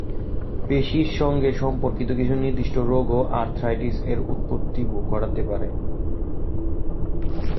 পেশীর সঙ্গে সম্পর্কিত কিছু নির্দিষ্ট রোগও আর্থ্রাইটিস-এর উৎপত্তি ঘটাতে পারে।